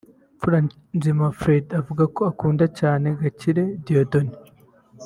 Mfuranzima Fred avuga ko akunda cyane Gakire Dieudonne